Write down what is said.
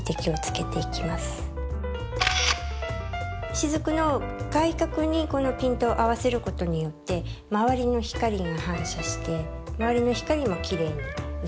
しずくの外郭にこのピントを合わせる事によって周りの光が反射して周りの光もきれいに写る。